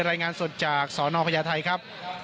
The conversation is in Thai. รายงานสดจากสนพญาไทยครับ